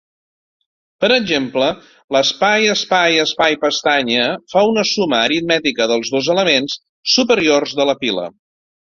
Per exemple, l'espai-espai-espai-pestanya fa una suma aritmètica dels dos elements superiors de la pila.